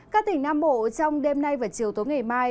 các tỉnh nam bộ trong đêm nay và chiều tối ngày mai